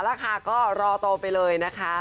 แล้วค่ะก็รอโตไปเลยนะคะ